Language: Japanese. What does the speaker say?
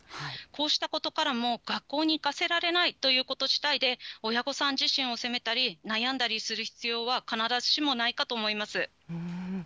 こうしたことからも、学校に行かせられないということ自体で、親御さん自身を責めたり、悩んだりする必要は必ずしもないかと思います。